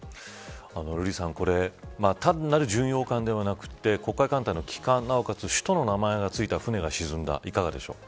瑠麗さんこれ、単なる巡洋艦ではなくて黒海艦隊の旗艦なおかつ、首都の名前がついた船が沈みました。